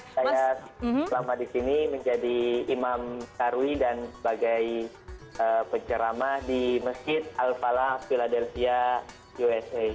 saya selama di sini menjadi imam tarwi dan sebagai penceramah di masjid al falah philadelphia usa